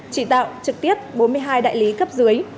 trị tạo trực tiếp bốn mươi hai đại lý cấp dưới